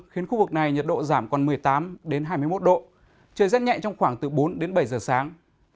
khiến khu vực này nhiệt độ giảm còn một mươi tám hai mươi một độ trời rất nhẹ trong khoảng từ bốn đến bảy giờ sáng